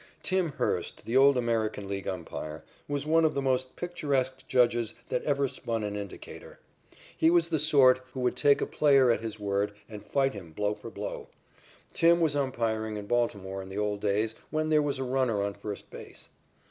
"Tim" Hurst, the old American League umpire, was one of the most picturesque judges that ever spun an indicator. He was the sort who would take a player at his word and fight him blow for blow. "Tim" was umpiring in Baltimore in the old days when there was a runner on first base.